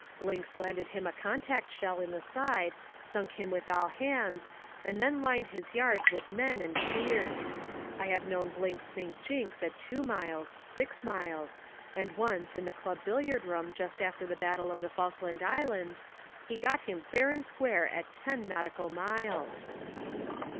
Blinks landed him a contact shell in the side, sunk him with all hands, and then lined his yards with men and cheered. I have known Blinks sink Jinks at two miles, six miles and once in the club billiard room just after the battle of the Falkland Islands, he got him fair and square at ten nautical miles.